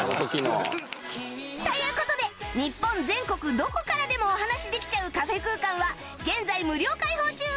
という事で日本全国どこからでもお話しできちゃうカフェ空間は現在無料開放中！